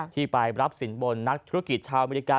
ที่ไปรับสินบนนักธุรกิจชาวอเมริกา